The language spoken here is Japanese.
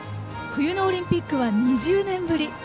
冬のオリンピックは２０年ぶり。